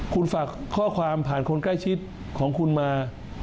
คุณฝากข้อความผ่านคนใกล้ชิดของคุณมา